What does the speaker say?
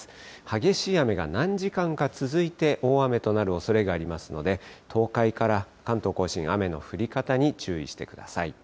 激しい雨が何時間か続いて、大雨となるおそれがありますので、東海から関東甲信、雨の降り方に注意してください。